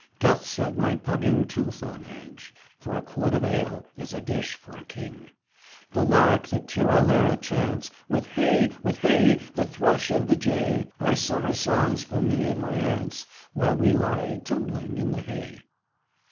— Doth set my pugging tooth on edge; For a quart of ale is a dish for a king. The lark that tirra lirra chants,— With hey! with hey! the thrush and the jay:— Are summer songs for me and my aunts, While we lie tumbling in the hay."